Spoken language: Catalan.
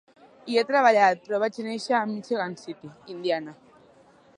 Hi he treballat, però vaig néixer a Michigan City, Indiana.